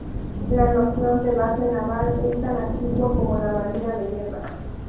La noción de base naval es tan antigua como la marina de guerra.